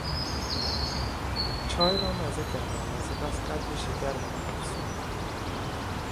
چای را مزه کردم و سپس قدری شکر به آن افزودم.